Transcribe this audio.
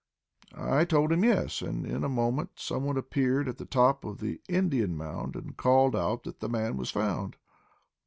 "I told him yes; and in a moment some one appeared at the top of the Indian Mound, and called out that the man was found."